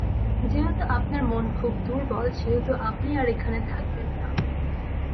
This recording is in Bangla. যেহেতু আপনার মন খুব দুর্বল সেহেতু আপনি আর এখানে থাকবেন না।